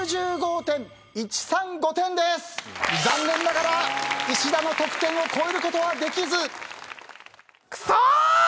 残念ながら石田の得点を超えることはできず。